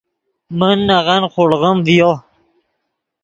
من نغن خوڑغیم ڤیو